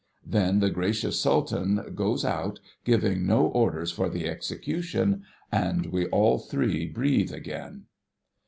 Then, the gracious Sultan goes out, giving no orders for the execution, and we all three breathe again.